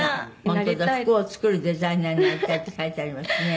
服を作るデザイナーになりたいって書いてありますね」